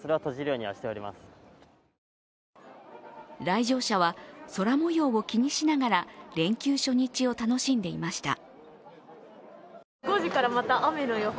来場者は空もようを気にしながら連休初日を楽しんでいました。